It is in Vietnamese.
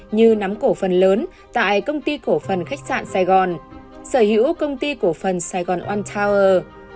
như nắm cổ phần lớn tại công ty cổ phần khách sạn sài gòn sở hữu công ty cổ phần sài gòn one tower